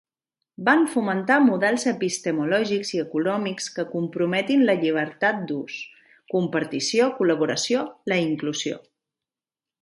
Van fomentar models epistemològics i econòmics que comprometin la llibertat d'ús, compartició, col·laboració, la inclusió.